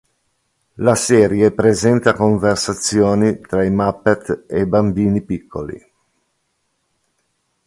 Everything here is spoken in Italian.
La serie presenta conversazioni tra i Muppet e bambini piccoli.